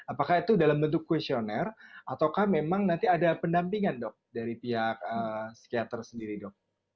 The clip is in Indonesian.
apakah itu dalam bentuk questionnaire ataukah memang nanti ada pendampingan dok dari pihak psikiater sendiri dok